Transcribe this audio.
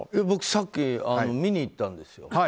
僕、さっき見に行ったんですよ。